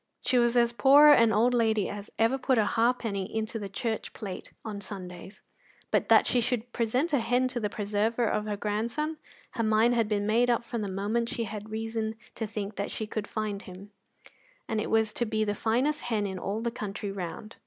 She was as poor an old lady as ever put a halfpenny into the church plate on Sundays; but that she should present a hen to the preserver of her grandson, her mind had been made up from the moment she had reason to think she could find him, and it was to be the finest hen in all the country round.